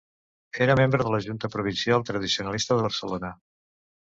Era membre de la Junta Provincial Tradicionalista de Barcelona.